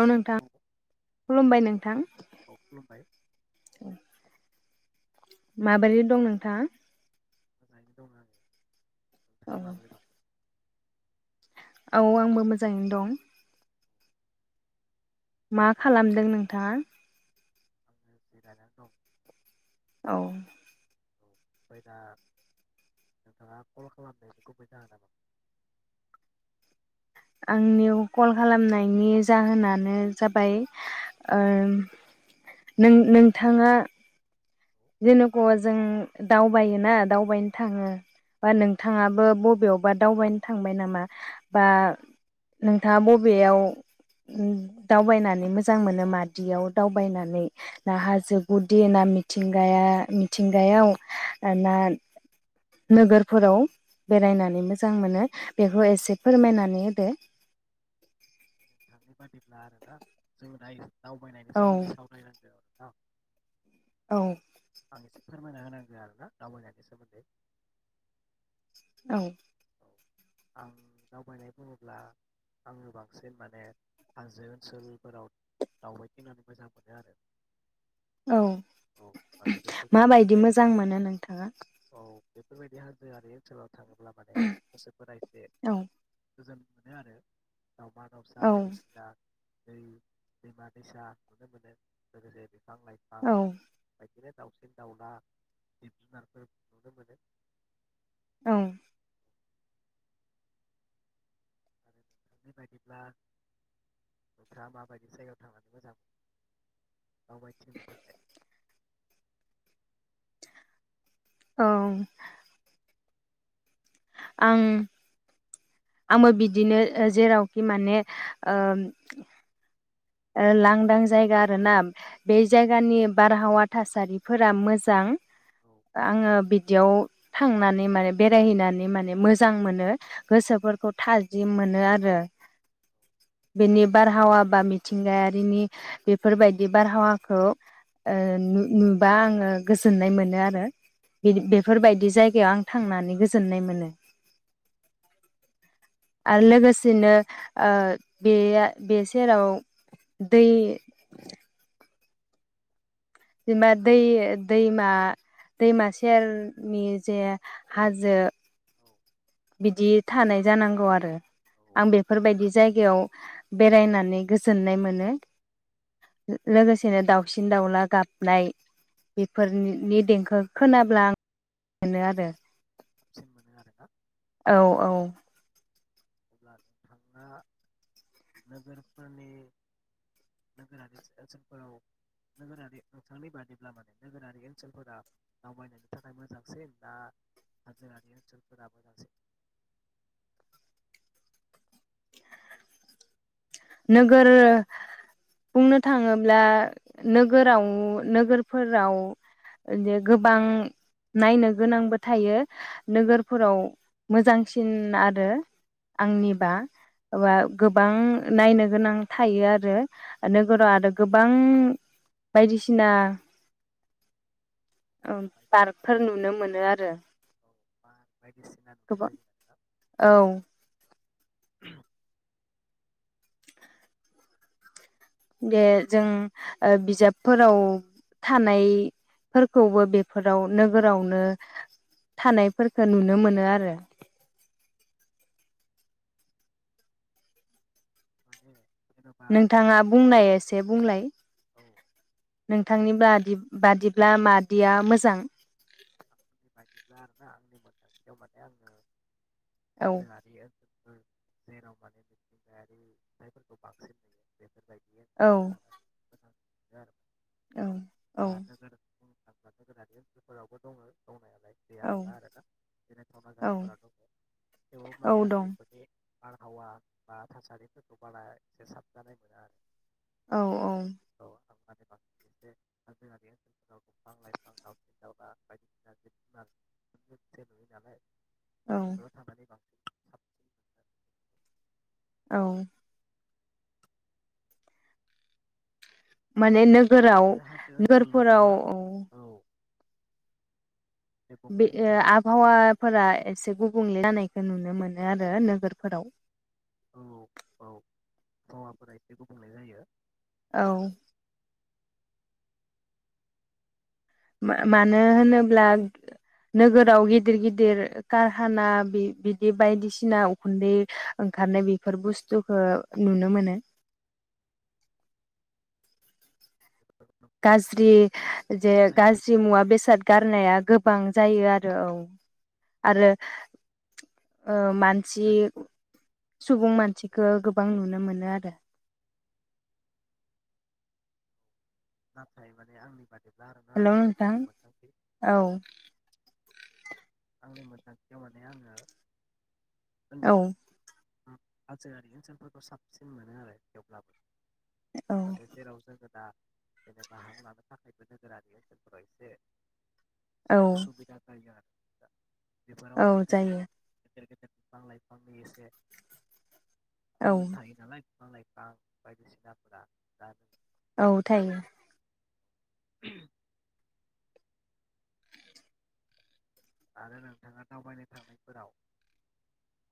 औ नोंथां खुलुमबाय नोंथां। औ खुलुमबाय माबोरै दं नोंथां? मोजाङैनो दङ आरो। औ नोंथाङा माबोरै दं? औ आंबो मोजाङैनो दं। मा खालामदों नोंथाङा? आङो जिरायनानै दं। औ। औ ओमफाय दा नोंथाङा कल खालामनाय गुबै जाहोना मा? आंनियाव कल खालामनायनि जाहोनानो जाबाय ओ नों नोंथाङा जेनेखु जों दावबायोना दावबायनो थाङो बा औ नोंथाङाबो बबेयाव बा दावबायनो थांबाय नामा बा नोंथाङा बबेयाव दावबायनानै मोजां मोनो मादियाव दावबायनानै ना हाजो गुदि ना मिथिंगाया मिथिंगायाव ना नोगोरफोराव बेरायनानै मोजां मोनो बेखौ एसे फोरमायनानै होदो। [unintelligible] दावबायनायनि औ सोमोन्दै सावराय [unintelligible] [unintelligible] औ। फोरमायना होनांगौ आरोना दावबायनायनि सोमोन्दै। औ। औ आं दावबायनाय बुङोब्ला आङो बांसिन माने हाजो ओनसोलफोराव दावबायथिंनानै मोजां मोनो आरो। औ औ माने बेफोरबायदि माबायदि जायगायाव मोजां मोनो नोंथाङा? औ बेफोरबायदि हाजोआरि ओनसोलाव थाङोब्ला गोसो फोरा एसे औ गोजोन मोनो आरो। दाउमा दाउसा औ बायदिसिना दै दैमा दैसा नुनो मोनो लोगोसे बिफां लाइफां औ बिदिनो दाउसिन दाउला जिब जुनारफोर नुनो मोनो। औ। [inaudible] दावबायथिंनो थाखाय। औ। आं आबो बिदिनो ओ जेरावखि माने ओ ओ लांदां जायगा आरो ना औ बे जायगानि बारहावा थासारिफोरा मोजां औ आङो बिदियाव थांनानै माने बेरायहैनानै माने मोजां मोनो गोसोफोरखौ थाजिम मोनो आरो बिनि बारहावा बा थिंगायारिनि बेफोरबायदि बारहावाखौ ओ नु-नुबा आङो ओ गोजोननाय मोनो आरो बे-बेफोरबायदि जायगायाव आं थांनानै गोजोननाय मोनो आरो लोगोसेनो ओ बे बे सेराव दै जेनेबा दै दैमा-दैमा सेरनि जे हाजो औ बिदि थानाय जानांगौ आरो। औ आं बेफोरबायदि जाय गायाव बेरायनानै गोजोननाय मोनो लोगोसेनो दाउसिन दाउला गाबनाय बेफोरनि देंखो खोनाब्ला आं [unintelligible] मोनो आरो। साबसिन मोनानो आरो ना औ औ। अब्ला नोंथाङा नोगोरफोरनि नोगोरारि ओनोलफोराव नोगोरारि नोंथांनि बादिब्ला माने नोगोरारि ओनसोलफोरा दावबायनायनि थाखाय मोजांसिन दा हाजोरि ओनसोलफोरा मोजांसिन। नोगोर बुंनो थाङोब्ला नोगोराव नोगोरफोराव गोबां नायनो गोनांबो थायो। औ नोगोरफोराव मोजांसिन आरो आंनिबा औ गोबां नायनो गोनां थायो आरो नोगोराव आरो गोबां बायदिसिना बाय पार्कफोर नुनो मोनो आरो। गोबां औ [unintelligible] बे जों बिजाबफोराव थानायफोरखौबो बेफोराव नोगोरावनो थानायफोरखो नुनो मोनो आरो। [inaudible] नोंथाङा बुंनाय एसे बुंलाय औ नोंथांनि बादिब्ला मादिया मोजां? [unintelligible] औ [unintelligible] [unintelligible] औ आं थांनानै औ [inaudible] औ [inaudible] [unintelligible] [unintelligible] औ औ औ दं बारहावा बा थासारिफोरखौ बारा एसे साबजानाय मोना आरो। औ औ। औ आं बांसिन एसे जोंहानि ओनसोलफोराव दंफां लाइफां दाउसिन [unintelligible] औ [inaudible] साबसिन मोनो औ। माने नो गोराव बे हाजो ओनसोलल' नोगोरफोराव। नङा औ दे बे बुंलाय नोंथां आबहावाफोरा एसे गु बुंले जानायखौ नुनो मोनो आरो नोगोरफोराव। औ औ आबहावाफोरा एसे गुबुंले जायो। औ। मा मानो होनोब्ला नोगोराव गिदिर गिदिर कारहाना बि-बिदि बायदिसिना उखुन्दै ओंखारनाय बेफोर बुस्थुखौ नुनो मोनो। गाज्रि। जे गाज्रि मुवा बेसाद। गारनाया गोबां जायो आरो औ आरो। ओ मानसि। सुबुं मानसिखौ गोबां नुनो मोनो आरो। नाथाय माने आंनि। बादिब्ला आरोना हेल' नोंथां आंनि मोनदांथि औ। आंनि मोनोदांथियाव माने आङो। औ। हाजोआरि ओनसोलफोरखौ साबसिन मोनो आरो थेवब्लाबो। औ माने जेराव जोङोदा। जेनेबा हां लानो थाखायबो नोगोरारि ओनसोलफोराव एसे औ असु बिदा जायो आरो बिफोराव औ माने गोदोर जायो गोदोर गोदोर बिफां-लाइफांनि एसे औ खम थायो नालाय बिफां-लाइफां बायदिसिनाफोरा जा औ थायो। [inaudible] आरो नोंथाङा दावबायनो थांनायफोराव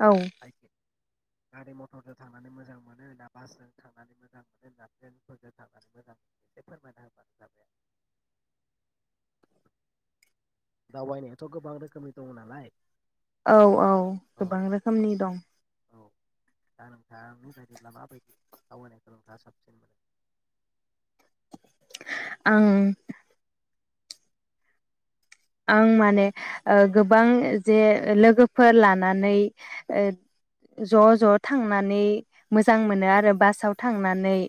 औ गारि मथरजों थांनानै मोजां मोनो ना बासजों थांनानै मोजां मोनो ना ट्रेनफोरजों थांनानै मोजां मोनो एसे फोरमायना होबानो जाबाय आरो दावबायनो थ गोबांनो रोखोमनि दंङ नालाय। औ औ औ गोबां रोखोमनि दं। [inaudible] आं आं माने ओ गोबां जे लोगोफोर लानानै ओ ज' ज' थांनानै मोजां मोनो आरो बासाव थांनानै।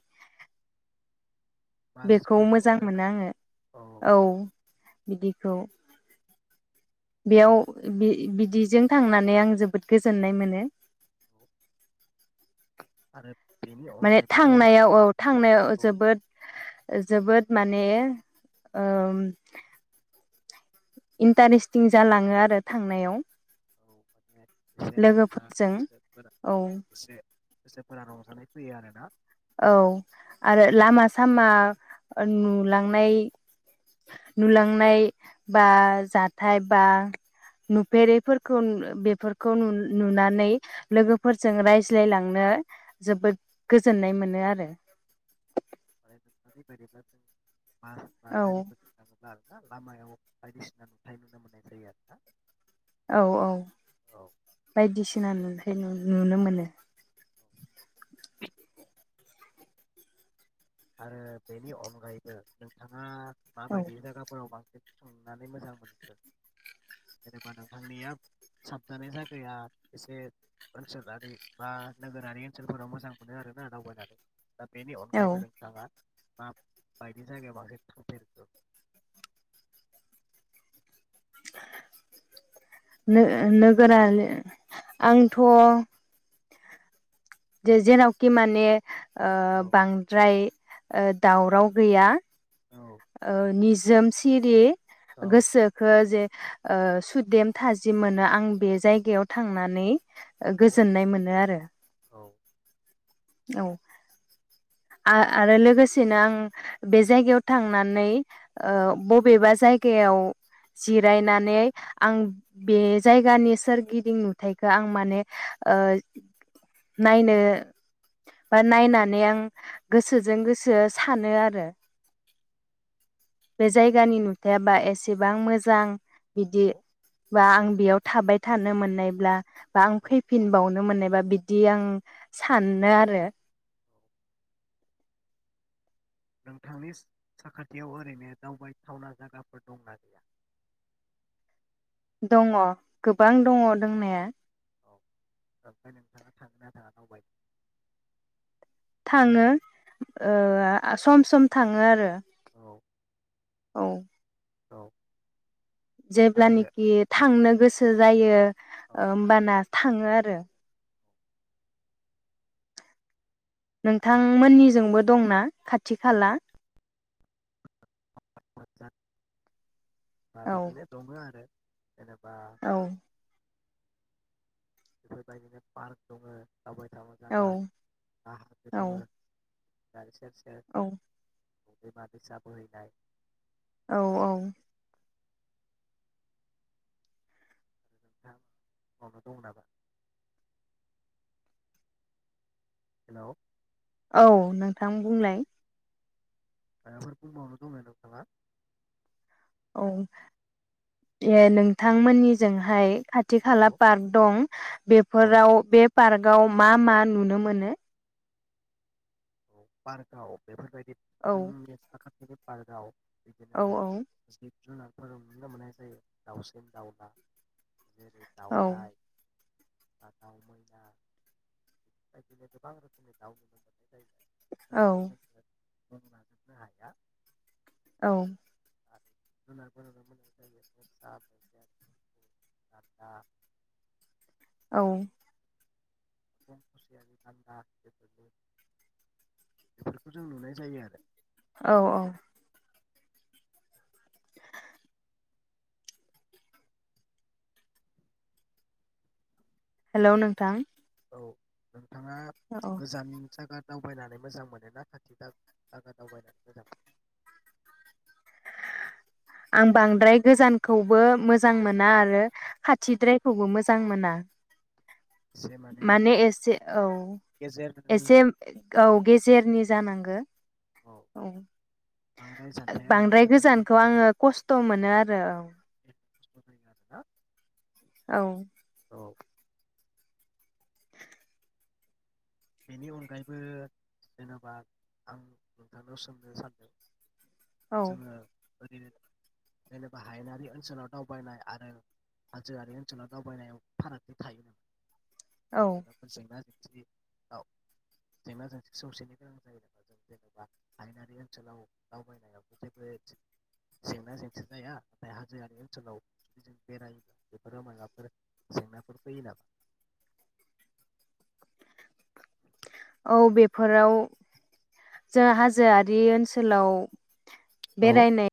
बेखौ बासफोराव मोजां आरोना मोनो आङो औ बिदिखौ बेयाव बिदिजों थांनानै आं जोबोद गोजोननाय मोनो। औ आरो बेनि माने अनगायैबो दावबायखौ थांनायाव औ थांनायाव जोबोद जोबोद माने ओ इन्टारेस्टिं जालाङो आरो थांनायाव। औ माने एसे लोगोफोरजों रंजाफोरा औ एसे गोसोफोरा रंजानाय। फैयो आरोना औ आरो औ लामा सामा औ नुलांनाय नुलांनाय बा जाथाय बा नुफेरैफोरखौ बेफोरखौ नुनानै लोगोफोरजों रायज्लायलांनो जोबोद गोजोननाय मोनो आरो। [inaudible] [inaudible] लामायाव औ बायदिसिना नुथाय नुनो मोननाय जायो आरोना। औ औ औ बायदिसिना नुथाय नुनो मोनो। [inaudible] आरो बेनि अनगायैबो नोंथाङा मा औ बायदि जाइगाफ्राव बांसिन थांनानै मोजां मोनखो जेनेबा नोंथांनिया साबजानाय जायगाया एसे ओनसोलारि बा नोगोरारि ओनसोलफोराव मोजां मोनो आरोना दावबायनानै। दा बेनि औ अनगायैबो नों बायदि जायगायाव बांसिन थांफेरखो नो-नोगोरारि आंथ' जे जेरावखि माने ओ औ बांद्राय दावराव गैया औ ओ निजो जोम सिरि औ औ गोसोखो जे ओ सुदेम थाजिम मोनो आं बे जायगायाव थांनानै। औ गोजोननाय मोनो आरो औ औ आरो लोगोसेनो आं बे जायगायाव थांनानै ओ बबेबा जायगायाव जिरायनानै आं बे जायगानि सोरगिदिं नुथायखौ आं माने नायनो बा नायनानै आं गोसोजों गोसो सानो आरो बे जायगानि नुथाया बा एसेबां मोजां। बिदिबा आं बेयाव थाबाय थानो मोन नायब्ला औ औ फैनिनबावनो मोननायबा बिदि आं सान आरो नोंथांनि साखाथियाव ओरैनो दावबायथावना जागाफोर दंना गैया? दङ'। गोबां औ दङ' दोंनाया। औ ओमफ्राय नोंथाङा थांगोना थाङा दावबायनो? थाङो ओ सम सम थाङो आरो औ औ। औ। आरो जेब्लानेखि थांनो गोसो जायो ओमबाना थाङो आरो। नोंथांमोननिजोंबो दंना खाथि खाला? [unintelligible] औ [unintelligible] दंङो आरो जेनेबा औ बेबायदिनो पार्क दङ' थाबाय थाबाय औ जागा हाखासे औ दङ' [unintelligible] औ। दैमा दैसा बोहैनाय औ औ। [unintelligible] हेल' औ नोंथां बुंलाय। मायबाफोर बुंबावनो दंबावो नोंथाङा? औ अं नोंथांमोननिजोंहाय खा थि खाला औ पार्क दं औ बेफोराव बे पार्कआव मा मा नुनो मोनो? पार्कआव औ। पार्काव औ बेदिनो औ जुनारफोर नुनो मोननाय जायो दाउसिन दाउला औ दावराय दाउ मैना बेफोरबायदिनो गोबां रोखोमनि दाउ नुनो औ मोनो। [unintelligible] [inaudible] औ। [inaudible] औ। [inaudible] बेफोरखौ जों नुनाय जायो आरो। औ औ। [unintelligible] हेलौ नोंथां? औ नोंथाङा औ गोजान जागा दावबायनानै मोजां मोनो ना खाथि दा जागा दावबायनानै मोजां मोनो? आं बांद्राय गोजानखौबो मोजां मोना आरो मोनो खाथिद्रायखौबो मोजां मोना। माने एसे औ गेजेरनि एसे औ गे जेरनि जानांगो। औ बांद्राय जानथाया माने बांद्राय गोजान गोजानखौ जायोब्लाबो आङो खस्थ' मोनो आरो औ। [unintelligible] औ। औ बेनि अनगायैबो जेनेबा आं नोंथांनाव सोंनो सानदों। औ जों ओरैनो जेनेबा हायेनारि ओनसोलाव दावबायनाय आरो हाजोआरि ओनसोलाव दावबायनायाव फारागथि थायो। [inaudible] औ [unintelligible] औ जेंना जेंसि सौसिनो गोनां जायो नामा जों जेनेबा आायेनारि ओनसोलाव दावबायनायाव जेबो जेंना जेंसि जाया नाथाय हाजोआरि ओनसोलाव जुदि जों बेरायोब्ला बेफोराव माबाफोर जेंनाफोर फैयो नामा? औ बेफोराव जों हाजोआरि ओनसोलाव औ बेरायनाय